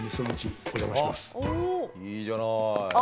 いいじゃない。